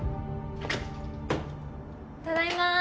ただいま。